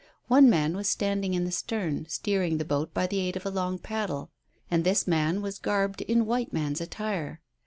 One man was standing in the stern steering the boat by the aid of a long paddle, and this man was garbed in white man's attire.